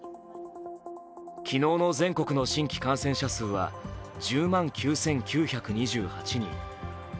昨日の全国の新規感染者数は１０万９９２８人。